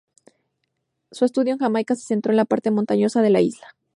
Su estudio en Jamaica se centró en la parte montañosa de la isla.